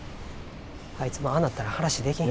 あいつもああなったら話できん。